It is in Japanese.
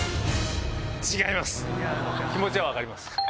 気持ちは分かります。